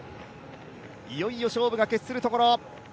いよいよ勝負が決するところ。